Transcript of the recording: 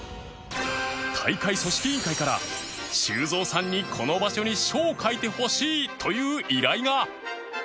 大会組織委員会から修造さんにこの場所に書を書いてほしいという依頼が